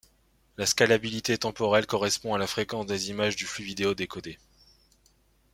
La scalabilité temporelle correspond à la fréquence des images du flux vidéo décodé.